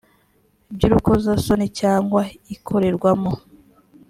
by urukozasoni cyangwa ikorerwamo